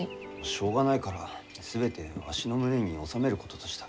しょうがないから全てわしの胸に納めることとした。